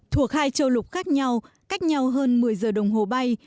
thuộc hai châu lục khác nhau cách nhau hơn một mươi giờ đồng hồ bay